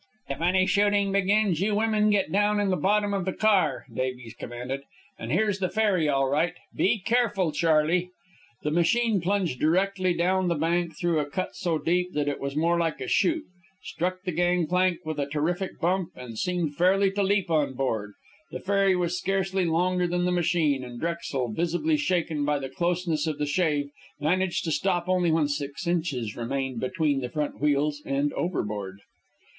_" "If any shooting begins, you women get down in the bottom of the car," Davies commanded. "And there's the ferry all right. Be careful, Charley." The machine plunged directly down the bank through a cut so deep that it was more like a chute, struck the gangplank with a terrific bump, and seemed fairly to leap on board. The ferry was scarcely longer than the machine, and Drexel, visibly shaken by the closeness of the shave, managed to stop only when six inches remained between the front wheels and overboard.